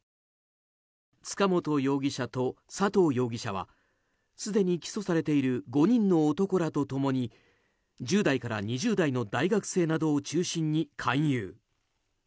塚本容疑者と佐藤容疑者はすでに起訴されている５人の男らと共に１０代から２０代の学生らを中心に勧誘。